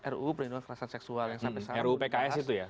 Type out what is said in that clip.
ruu perlindungan kerasan seksual yang sampai saat itu